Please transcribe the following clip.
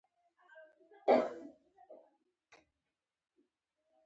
نیزه وهل د پښتنو ځوانانو لوبه ده.